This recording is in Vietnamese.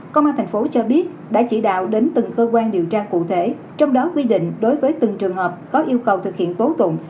công an tp cho biết đã chỉ đạo đến từng cơ quan điều tra cụ thể trong đó quy định đối với từng trường hợp có yêu cầu thực hiện tố tụng